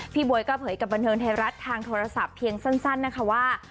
บ๊วยก็เผยกับบันเทิงไทยรัฐทางโทรศัพท์เพียงสั้นนะคะว่า